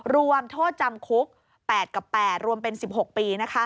รวมโทษจำคุก๘กับ๘รวมเป็น๑๖ปี